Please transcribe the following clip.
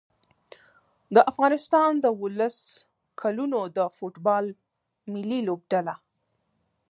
د افغانستان د اولس کلونو د فوټبال ملي لوبډله